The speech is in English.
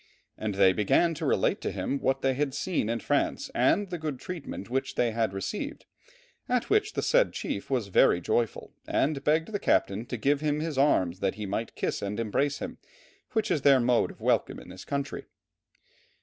And they began to relate to him what they had seen in France and the good treatment which they had received, at which the said chief was very joyful, and begged the captain to give him his arms that he might kiss and embrace them, which is their mode of welcome in this country.